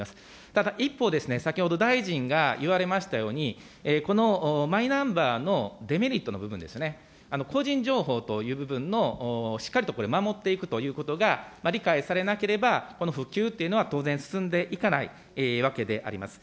ただ一方、先ほど、大臣が言われましたように、このマイナンバーのデメリットの部分ですね、個人情報という部分の、しっかりとこれ、守っていくということが理解されなければ、この普及というのは当然、進んでいかないわけであります。